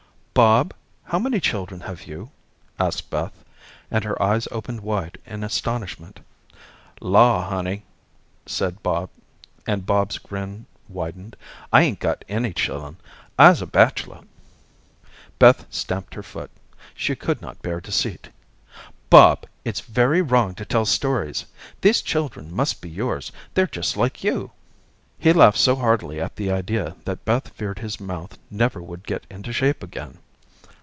"Bob, how many children have you?" asked Beth, and her eyes opened wide in astonishment. "Law, honey," and Bob's grin widened, "I ain't got any chillun. I'se a bachelor." Beth stamped her foot. She could not bear deceit. "Bob, it's very wrong to tell stories. These children must be yours; they're just like you." He laughed so heartily at the idea, that Beth feared his mouth never would get into shape again.